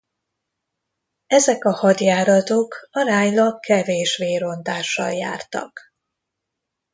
Ezek a hadjáratok aránylag kevés vérontással jártak.